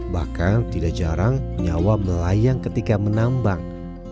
bahkan tidak jarang nyawa melayang ketika menambang